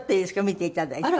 見ていただいて。